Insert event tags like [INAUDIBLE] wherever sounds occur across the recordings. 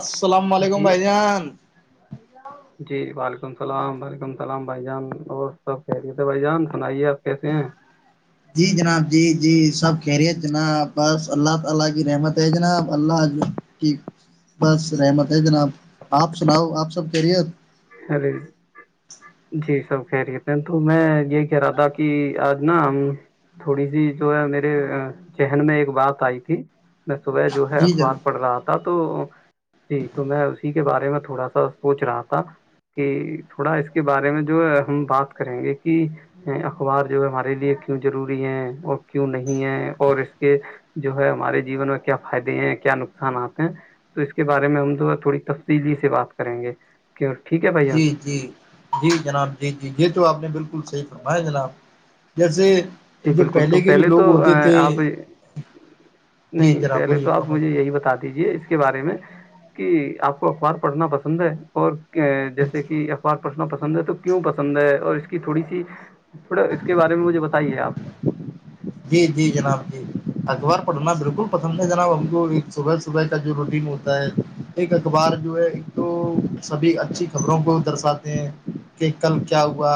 السلام علیکم بھائی جان ج جی وعلیکم السلام وعلیکم السلام بھائی جان اور سب خہرییے تھے بھائی جان سنائیے آپ کیسے ہیں جی جناب جی جی سب خیریت جناب بس اللہ تعالی کی رحمت ہے جناب اللہ ال بس رحمت ہے جناب آپ سناؤ آپ سب کہہرییے ہ ل [UNINTELLIGIBLE] جی سب کہہ رہے تھے تو میں یہ کہہ رہا تھا کہ آج نا ہم تھوڑی سی جو ہے میرے چہن میں ایک بات آئی تھی میں صبح جو ہے جی اخبار جناب پڑھ رہا تھا تو جی تو میں اسی کے بارے میں تھوڑا سا سوچ رہا تھا کہ تھوڑا اس کے بارے میں جو ہم بات کریں گے کہ اخبار جو ہے ہمارے لیے کیوں ضروری ہے اور کیوں نہیں ہے اور اس کے جو ہے ہمارے جیون میں کیا فائدے ہیں کیا نقصاناتتے ہیں تو اس کے بارے میں ہما تھوڑی تفصیلی سے بات کریں گے کہ جی جی جی جناب جی جی یہ تو آپ نے بالکل صحیح فرمایا جناب جیسے جی جو بالکل تو کے جو پہلے لوگ تو ہوتے تھے آپ جی نہیں جناب پہلے بولیے تو آپ فرمائیے مجھے یہی بتا د دیجیے اس کے بارے میں کہ آپ کو اخبار پڑھنا پسند ہے اور جیسے کہ اخبار سنا پسند ہے تو کیوں پسند ہے اور اس کی تھوڑی سی تھوڑا اس کے بارے میں مجھے بتائیے آپ [INAUDIBLE] ج جی جناب جی اخبار پڑھنا بالکل پسند ہے جناب ہم کو ایک صبح صبح کا جو روٹین ہوتا ہے ایک اخبار جو ہے ایک تو سبھی اچھی خبروں کو درساتے ہیں کہ کل کیا ہوا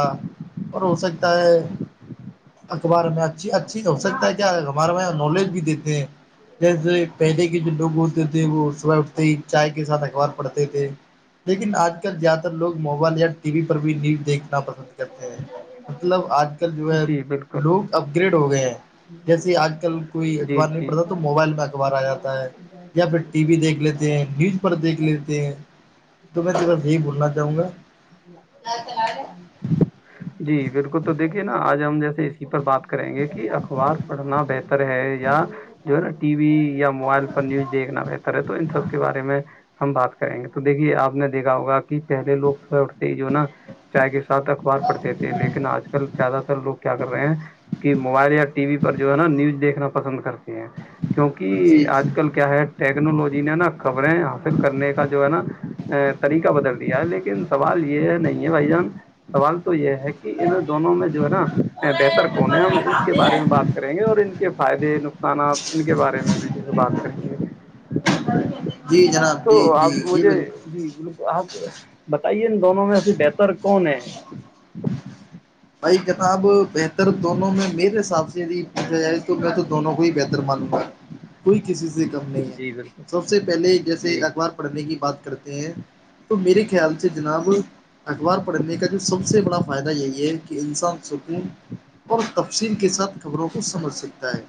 اور ہو سکتا ہے اخبار میں اچھی اچ اچ ہو سکتا ہے کیا ہمارا وہ نالج بھی دیتے ہیں جیسے پہلے کے جو لوگ ہوتے تھے وہ صبح اٹھتے ہی چائے کے ساتھ اخبار پڑھتے تھے لیکن آج کل زیادہ تر لوگ موبائل یا ٹی وی پر بھی نیوز دیکھنا پسند کرتے ہیں مطلب آج کل جو ہے جی بالکل لوگ اپ گریڈ ہو گئے ہیں جیسے آج کل کوئی جی اخبار نہیں جی پڑھتا تو موبائل میں اخبار آ جاتا ہے یا پھر ٹی وی دیکھ لیتے ہیں نیوز پر دیکھ لیتے ہیں تو میں تیرا یہی بھولنا چاہوں گا جی بالکل تو دیکھیے نا آج ہم جیسے اسی پر بات کریں گے کہ اخبار پڑھنا بہتر ہے یا جو ہے نا ٹی وی یا موبائل پر نیوز دیکھنا بہتر ہے تو ان سب کے بارے میں ہم بات کریں گے تو تو دیکھیے آپ نے دیکا ہوگا کہ پہلے لو سوبح اٹھتے ہی جو نا چائے کے ساتھ اخبار پڑھتے تھے لیکن آج کل زیادہ تر لوگ کیا رہے ہیں کہ موبائل یا ٹی وی پر جو ہے نا نیوز دیکھنا پسند کرتی ہیں جی کیونکہ جی آج کل کیا ہے ٹیکنالوجی نے نا خبریں حاصل کرنے کا جو ہے نا طریقہ بدل دیا ہے لیکن سوال یہ نہیں ہے بھائی جان سوال تو یہ ہے کہ ان دونوں میں جو ہے نا بہتر کون ہے ہم اس کے بارے میں بات کریں گے اور ان کے فائدے نقصان ان ان کے بارے میں بھی جیس سے بات گے جی جناب تو جی جی آپ یہ مجھے بالکل جی آپ بتائیے دونوں میں سے بہتر کون ہے بھائی جتاب بہتر دونوں میں میرے حساب سے پوچھا جائے تو میں تو دونوں کو ہی بہتر مانوں گا [INAUDIBLE] کوئی کسی سے کم نہیں ہے جی بالکل سب سے پہلے جیسے جی اخبار پڑھنے کی بات کرتے ہیں تو میرے خیال سے جناب اخبار پڑھنے کا جو سب سے بڑا فائدہ یہی ہے انسان سکون اور تفسیم کے ساتھ کا خبروں کو سمجھ سکتا ہے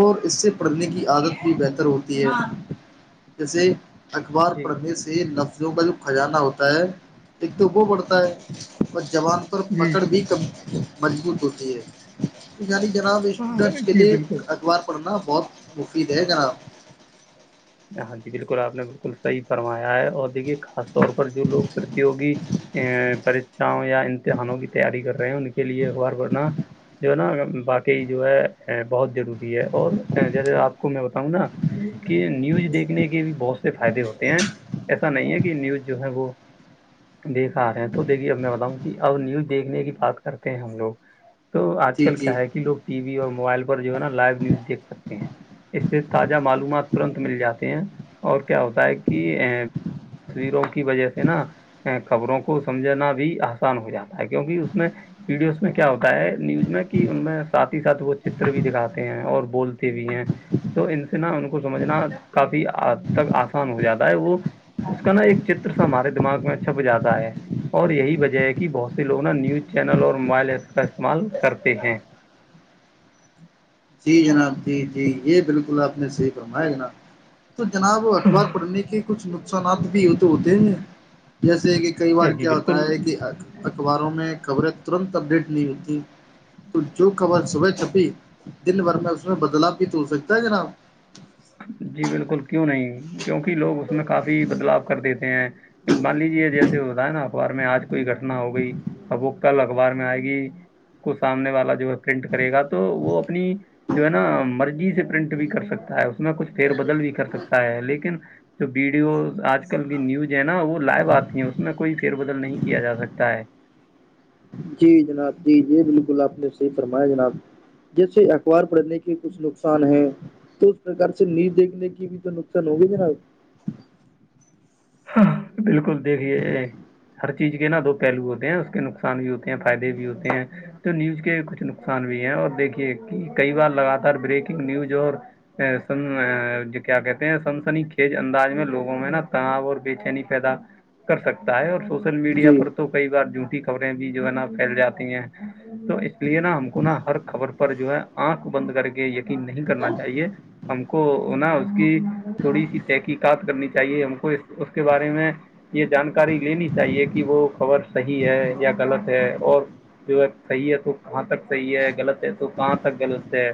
اور اس سے پڑھنے کی عادت بھی بہتر ہوتی ہے جیسے اخبار جی پڑھنے سے لفظوں کا جو کزانہ ہوتا ہے ایک تو وہ بڑھتا ہے اور جوان پر پک جی مضبوط ہوتی ہے یعنی جناب اسٹوڈنٹس کے جی لئے بالکل اخبار پر پڑھنا بہت مفید ہے جناب ہاں جی بالکل آپ نے بالکل صحی فرمایا ہے اور دیکھیے خاص طور پر جو لوگ پرتیوگی چاں یا امتحانوں کی تیاری کر رہے ہیں ان کے لیے اخبار پڑھنا جو ہے نا باقی جو ہے بہت ضروری ہے اور جیسے آپ کو میں بتاؤں نا کہ نیوز دیکھنے کے بھی بہت سے فائدے ہوتے ہیں ایسا نہیں ہے کہ نیوز جو ہے وہ دیکھ آ رہے ہیں تو دیکھیے اب میں بتاؤں کہ ا نیوز دیکھنے کی بات کرتے ہیں ہم لوگ تو آج جی کل کیا جی ہے کہ لوگ ٹی وی اور موبائل پر جو ہے نا لائیو نیوز دیکھ سکتے ہیں اس سے تازہ معلومات ترنت مل جاتے ہیں اور کیا ہوتا ہے کہ تصویروں کی وجہ سے نا خبروں کو سمجھناا بھی آسان ہو جاتا ہے کیونکہ اس میں ویڈیوز میں کیا ہوتا ہے نیوز میں کہ ان میں سھ ہی ساتھ وہ چتر بھی دکھاتے ہیں اور بولتے بھی ہیں تو ان سے نا ان کو سمجھنا کافی تک آسان ہو جاتا ہے وہ اس کا نا ایک چر ہمارے دماغ میں چھپ جاتا ہے اور یہی وجہ ہے کہ بہت سے لوگ نا نیوز چینل اور موبائل ایپس کا استعمال کرتے ہیں جی جناب جی جی یہ بالکل آپ نے صحیح فرمایا جناب تو جناب اخبار پڑھنے کے کچھ نقصانات بھی تو ہوتے ہیں جیسے کہ کئی بار جی کیا ہوتا ہے بالکل کہ حق اخباروں میں خبریں ترنت اپڈیٹ نہیں ہوتییں تو جو خبر صبح چھپی دن بھر میں اس میں بدلاؤ بھی تو ہو سکتا ہے جناب جی بالکل کیوں نہیں کیوںکہ لوگ اس میں کافی بدلاو کر دیتے ہیں مان لیجے جیسے ہوتا ہے نا اخبار میں آج کوئی گٹنا ہو گئی اب وہ کل اخبار میں آئے گی اس کو سامنے والا جو ہے پرنٹ کرے گا تو وہ اپنی جو ہے نا مرضی سے پرنٹ بھی کر سکتا ہے اس میں کچھ فیر بدل بھی کر سکتا ہے لیکن جو ویڈیوز آج کل کی نیوز ہے نا وہ لائو آتی ہیں اس میں کوئی فیر بدل نہیں کیا جا سکتا ہے جی جناب جی جی بالکل آپ نے سےح فرمایا جناب جیسے اخبار پڑھنے کے کچھ نقصان ہے تو اس پرک سے نیز دیکھنے کی بھی تو نقصان ہوگی جناب بالکل دیکھیے ہر چیز کے نا دو پہلو ہوتے ہیں اس کے نقصان بھی ہوتے ہیں فائدے بھی ہوتے ہیں تو نیوز کے کچھ نقصان بھی ہے اور دیکھیے کہ کئی بار لگاتار بریکنگ نیوز اور سن کیا کہتے ہیں سنسنی کھیج انداز میں لوگوں میں نا تنا اور بے چینی پیدا کر سکتا ہے اور سوشل میڈیا جی پر تو کئی بار جھوٹی خبریں بھی جو ہے نا پھیل جاتی ہیں تو اس لیے نا ہم کو نا ہر خبر پر جو ہے آنکھ بند کر کے یقین نہیں کرنا چاہیے ہم کو نا اس کی تھوڑی سی تحقیقات کرنی چاہیے ہم کو اس کے بارے میں یہ جانکاری لینی چاہیے کہ وہ خبر صحیح ہے یا غلط ہے اور جو صحیح ہے تو کہاں تک صحیح ہے غلط ہے تو کہاں تک غلط ہے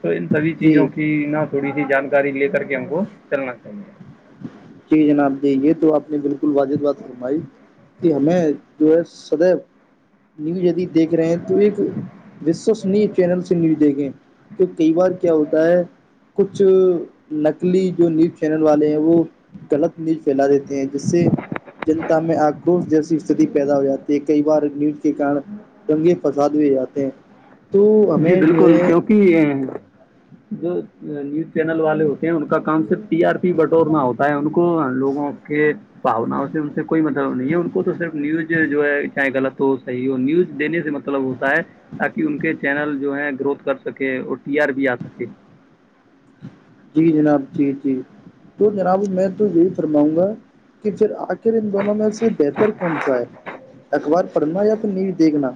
تو ان سبھی چیزوں جی کی نہ تھوڑی سی جانکاری لے کر کے ہم کو چلنا چاہیے جی جناب دے تو آپ نے بالکل واجد بات فرمائی کہ ہمیں جو ہے سدو نیوز یدی دیکھ رہے ہیں تو ایک وشوسنی چینل سے نیوز دیکھیں تو کئی بار کیا ہوتا ہے کچھ نکلی جو نیوز چینل والے ہیں وہ غلط نیل پھیلا دیتے ہیں جس سے جنتا میں آکروش جیسی استتی پیدا ہو جاتی ہے کئی بار نیوز کے کارن دنگے فساد بھی جاتے ہیں تو جی ہمیں جو بالکل ہے کیونکہ جو نیوز چینل والے ہوتے ہیں ان کا کام صرف ٹی آر پی بٹورنا ہوتا ہے ان کو لوگوں کے باؤناؤ سے ان سے کوئی مطلب نہیں ہے ان کو تو صرف نیوز جو ہے چاہے غط ہو صحیح ہو نیوز دینے سے مطلب مطلب ہوتا ہے تاکہ ان کے چینل جو ہے گروتھ کر سکے اور ٹی آر بھی آ سکے جی جناب جی جی تو جناب میں تو یہی فرماؤں گا کہ پھر آخر ان دونوں میں سے بہتر کون سا ہے اخبار پڑھنا یا تو نہیں بھی دھنا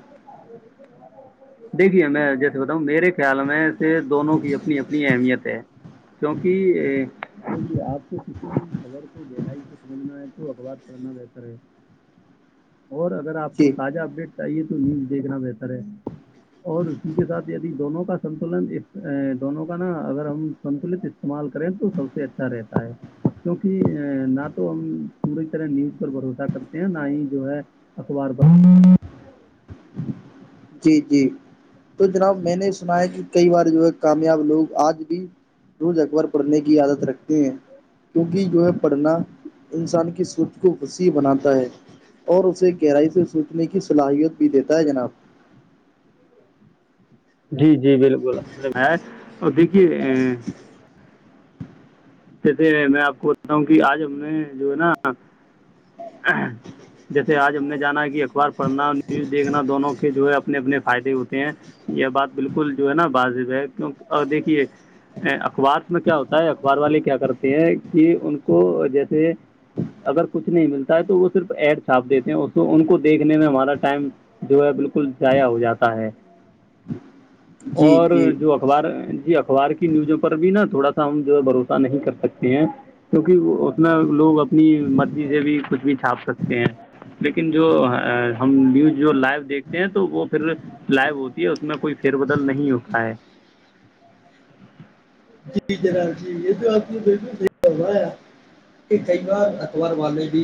دیکھیے میں جیسے بتاؤں میرے خیال میں سے دونوں کی اپنی اپنی اہمیت ہے کیوںک آپ کو کسی بھی خبر کو گہرائی سے سمجھنا ہے تو اخبار پڑھنا بہتر ہے اور اگر آپ کو جی تازہ اپڈیٹ چاہیے تو نیوز دیکھنا بہتر ہے اور اسی کے ساتھ د دونوں کا سنتولن ایک دونوں کا نا اگر ہم سنتلت استعمال کریں تو سب سے اچھا رہتا ہے کیوںک نہ تو ہم پوری طرح نیوز پر بھروسہ کرتے ہیں نہ ہی جو ہے اخبار بھ جی جی تو جناب میں نے سنا ہے کہ کئی بار جو ہے کامیاب لوگ آج بھی روز اخبار پڑھنے کی عادت رکھتے ہیں کیونکہ جو ہے پڑھنا انسان کی سوچ کو وسیع بناتا ہے اور اسے گہرائی سے سوچنے کی صلاحیت بھی دیتا ہے جناب جی جی بالکل ہے اور دیکھیے ا جیسے میں آپ کو بولتا ہوں کہ آج ہم نے جو ہے نا جیسے آج ہم نے جانا کہ اخبار پڑھنا نیوز دیکھنا دونوں کے جو ہے اپنے اپنے فائدے ہوتے ہیں یہ بات بالکل جو ہے نا واازب ہے کی ا دیکھیے اخبار میں کیا ہوتا ہے اخبار والے کیا کرتے ہیں کہ ان کو جیسے اگر کچھ نہیں ملتا ہے تو وہ صرف ایڈ چھاپ دیتے ہیں ان کو دیکنے میں ہمارا ٹائم جو ہے بالکل ضاائع ہو جاتا ہے جی اور جی جو اخبار جی اخبار کی نیوزوں پر بھی نا تھوڑا سا ہم جو ہے بھروس نہیں کر سکتی ہیں کیونکہ ا میں لوگ اپنی مرضی سے بھی کچھ بھی چھاپ سکتے ہیں لیکن جو ہم نیوز جو لائو دیکھتے ہیں تو وہ پھر سلائب ہوتی ہے اس میں کوئی فیر بدل نہیں ہو پا ہے جی جناب جی یہ تو آپ نے بالکل ہو رہا ار کئی بار اخبار والے بھی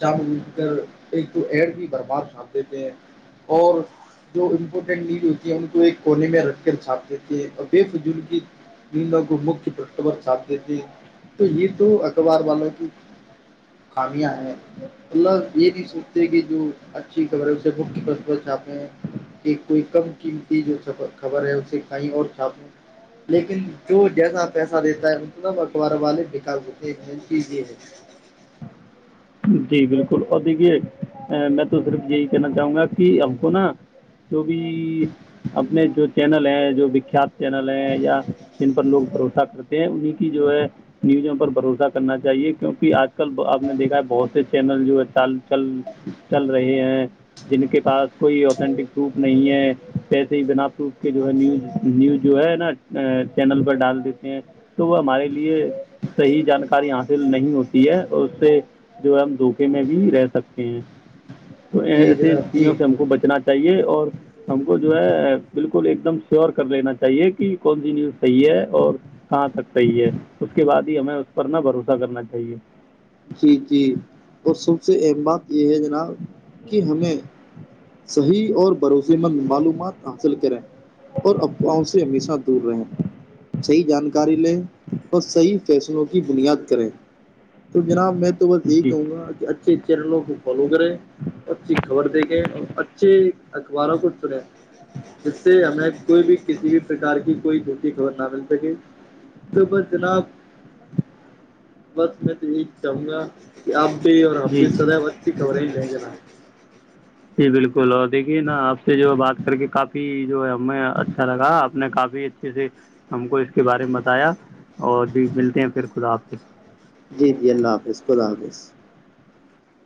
جام مٹ کر ایک تو ایڈ بھی برباد کھاند دیتے ہیں اور جو امپورٹینٹ نیڈ ہوتی ہم کو ایک کونے میں رکھ کر چھاپتے تھے اور بے فجل کی انینوں کو مک پرٹب سپ دی تھے تو یہ تو اخبار والوں کی خابی ہیں ملہ یہ نہیں سوچتے کہ جو اچھی خبر ہے اسے بھک کے پس چھاپے ہیں کہ کوئی کم قیمتی جو خبر ہے اسے کہیں اور چھاپ ل لیکن تو جس پیسہ دیتا ہے اتنا اخبار والے بیک ہوتے بن کیی ہے جی بالکل اور دیجیے میں تو صرف یہی کہنا چاہوں گا کہ آ کو نا جو بھی اپنے جو چینل ہیں جو وکھیات چینل ہیں یا جن پر لوگ بھروسہ کرتے ہیں انہیں کی جو ہے نیوزوں پر بھروسہ کرنا چاہیے کیوںک آج کل آپ نے دیکھا بہت سے چینل جو ہے چل چل چل رہے ہیں جن کے پاس کوئی اتنٹک پروف نہیں ہے کییسے ہی بنا پروف کے جو ہے نیوز نیوز جو ہے نا ا چینل پر ڈال دیتے ہیں تو وہ ہمارے لیے صحیح جانکاری حاصل نہیں ہوتی ہے اور اس سے جو ہم دھوکے میں بھی رہ سکتے ہیں تو جی ایسے جناب جی چیزوں سے ہم کو بچنا تائیے اور ہم کو جو ہے بالکل ایک دم شیور کر لینا چاہیے کہ کون سی نیوز صحیح ہے اور کہاں تک صحیح ہے اس کے بعد ہی ہمیں اس پر نہ بھروسہ کرنا چاہیے جی جی اور سب سے اہم بات یہ ہے جناب کہ ہمیں صحیح اور بھروس مند معلومات حاصل کریں اور افواہوں سے ہمیشہ دور رہیں صحیح جانکاری لیں اور صحیح فیصلوں کی بنیاد کریں تو جناب میں تو بس یہی جی کہوں گا کہ اچھے چینلوں کو فالو کرے اچھی خبر دیکھیں اور اچھے اخباروں کو چنیں اس سے ہمیں کوئی بھی کسی بھی پرکار کی کوئی د خبر نہ مل سکے ص بس جناب بس میں تو یہی چاہوں گا کہ آپ بھی اور اب جی بھی سدیب اچھی خوریج ہے کہ ن جی بالکل اور دیکھیے نا آپ سے جو ہے بات کر کے کافی جو ہے ہمیں اچھا لگا آپ نے کافی اچھے سے ہم کو اس کے بارے میں بتایا اور ج ملتے ہیں پھر خدا آپ سے جی جی اللہ حافظ خدا حافظ